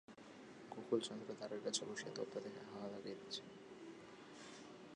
গোকুলচন্দ্র দ্বারের কাছে বসিয়া তপ্ত দেহে হাওয়া লাগাইতেছিলেন।